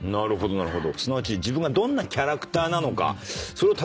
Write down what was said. なるほど。